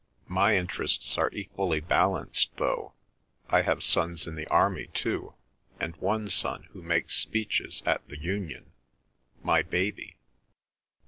My interests are equally balanced, though; I have sons in the army too; and one son who makes speeches at the Union—my baby!"